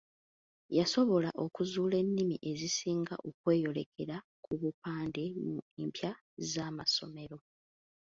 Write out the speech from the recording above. Yasobola okuzuula ennimi ezisinga okweyolekera ku bupande mu mpya z'amasomero.